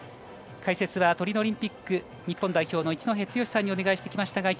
解説はトリノオリンピック日本代表の一戸剛さんにお願いしてきました。